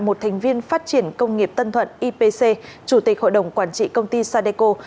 một thành viên phát triển công nghiệp tân thuận ipc chủ tịch hội đồng quản trị công ty sadeco